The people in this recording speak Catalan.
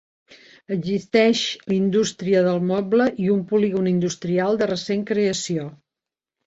Existeix indústria del moble i un polígon industrial de recent creació.